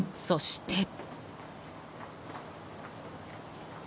そして。